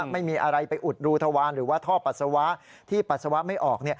ไม่มีอะไรไปอุดรูทวารหรือว่าท่อปัสสาวะที่ปัสสาวะไม่ออก